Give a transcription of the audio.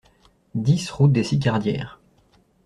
dix route des Sicardières